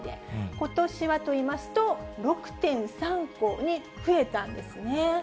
ことしはといいますと、６．３個に増えたんですね。